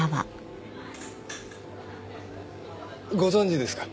ご存じですか？